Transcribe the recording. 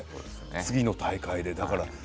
次の大会で。